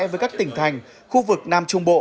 với các tỉnh thành khu vực nam trung bộ